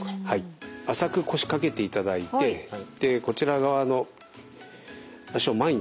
浅く腰掛けていただいてこちら側の脚を前に出してですね